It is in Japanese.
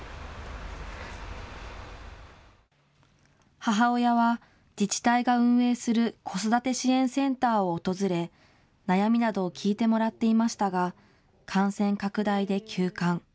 母親は、自治体が運営する子育て支援センターを訪れ、悩みなどを聞いてもらっていましたが、感染拡大で休館。